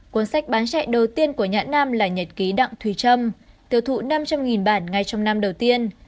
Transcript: cuốn sách bán chạy đầu tiên của nhãn nam là nhật ký đặng thùy trâm tiêu thụ năm trăm linh bản ngay trong năm đầu tiên